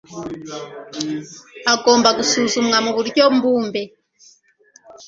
hagomba gusuzumwa mu buryo mbumbe